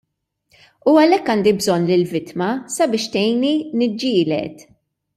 U għalhekk għandi bżonn lill-vittma sabiex tgħinni niġġieled!